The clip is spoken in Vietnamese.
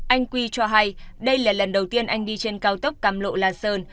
anh quy cho hay đây là lần đầu tiên anh đi trên cao tốc cam lộ la sơn